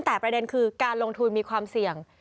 แต่ประเด็นคือการลงทุนมีความเสี่ยง